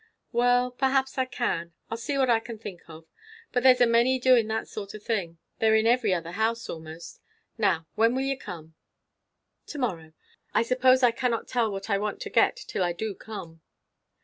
"Well, perhaps I can. I'll see what I can think of. But there's a many doing that sort o' thing. They're in every other house, almost. Now, when will you come?" "To morrow. I suppose I cannot tell what I want to get till I do come."